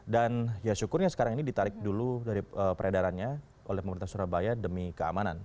dan ya syukurnya sekarang ini ditarik dulu dari peredarannya oleh pemerintah surabaya demi keamanan